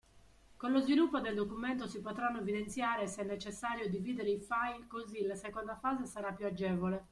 Con lo sviluppo del documento si potranno evidenziare se è necessario dividere i file così la seconda fase sarà più agevole.